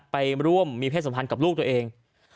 ไปร่วมมีเพศสัมพันธ์กับลูกตัวเอง